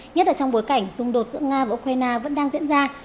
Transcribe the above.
nhất là trong bối cảnh xung đột giữa nga và ukraine vẫn đang diễn ra